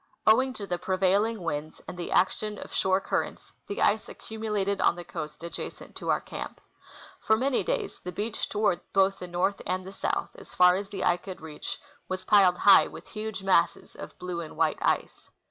Owing to the pre vailing Avinds and the action of shore currents, the ice accumu lated on the coast adjacent to our camp. For many days the beach toAvard both the liorth and the south, as far as the eye could reach, Avas ]3iled high Avith huge masses of blue and white ice.